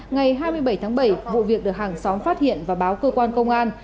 ngày hai mươi bảy tháng bảy vụ việc được hàng xóm phát hiện và báo cơ quan công an